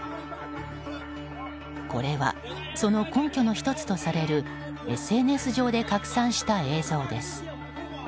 これは、その根拠の１つとされるＳＮＳ上で拡散した映像です。